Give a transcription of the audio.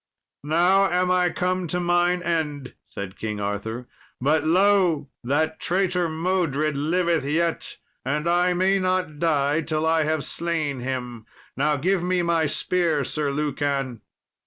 "Now am I come to mine end," said King Arthur; "but, lo! that traitor Modred liveth yet, and I may not die till I have slain him. Now, give me my spear, Sir Lucan."